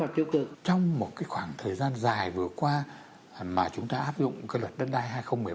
trong một khoảng thời gian dài vừa qua mà chúng ta áp dụng luật đất đai hai nghìn một mươi ba